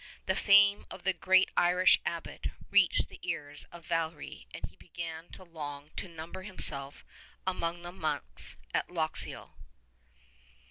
The fame of the great Irish Abbot reached the ears of Valery and he began to long to number himself among the monks at Luxeuil.